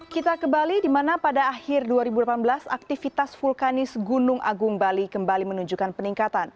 kita ke bali di mana pada akhir dua ribu delapan belas aktivitas vulkanis gunung agung bali kembali menunjukkan peningkatan